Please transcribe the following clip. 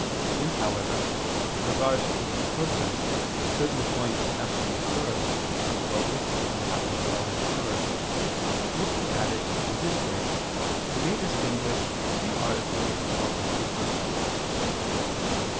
Since, however, with regard to each Person, certain points have to be observed, about which some happen to fall into error, looking at it in this way, we may distinguish three articles about the three Persons.